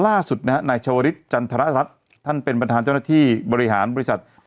ล่าสุดนะฮะนายชาวริสจันทรรัฐท่านเป็นประธานเจ้าหน้าที่บริหารบริษัท